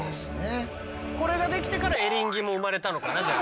これができてからエリンギも生まれたのかなじゃあ。